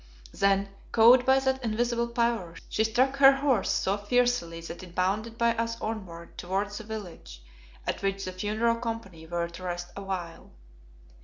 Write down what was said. Then, cowed by that invisible power, she struck her horse so fiercely that it bounded by us onward towards the village, at which the funeral company were to rest awhile.